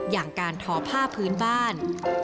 อย่างการทอผ้าพื้นบ้าน